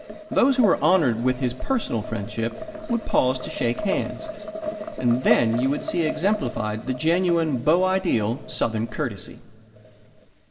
Those who were honoured with his personal friendship would pause to shake hands, and then you would see exemplified the genuine beau ideal Southern courtesy.